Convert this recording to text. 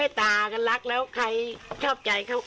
อ่าเงินเขาดีเขาก็เขาแบบเขาไม่ตากันรักแล้ว